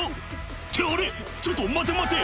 「ってあれ⁉ちょっと待て待て！」